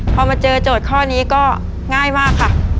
พอมาเจอโจทย์ข้อนี้ก็ง่ายมากค่ะ